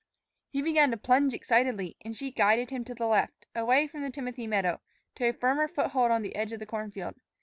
He began to plunge excitedly, and she guided him to the left, away from the timothy meadow, to a firmer foothold on the edge of the corn field.